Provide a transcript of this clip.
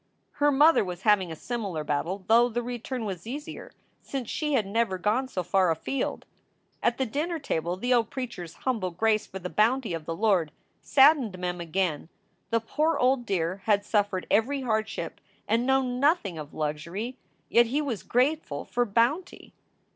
Her mother was having a similar battle, though the return was easier since she had never gone so far afield. At the dinner table the old preacher s humble grace for the bounty of the Lord saddened Mem again. The poor old dear had suffered every hardship and known nothing of luxury, yet he was grateful for "bounty!"